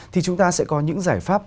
thì chúng ta sẽ có những giải pháp